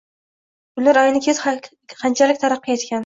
Ular ayni kez qanchalik taraqqiy etgan